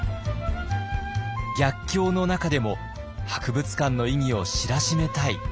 逆境の中でも博物館の意義を知らしめたい。